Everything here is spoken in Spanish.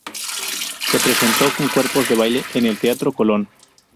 Se presentó con cuerpos de baile en el Teatro Colón.